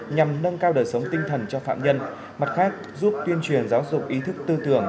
nhằm nâng cao đời sống tinh thần cho phạm nhân mặt khác giúp tuyên truyền giáo dục ý thức tư tưởng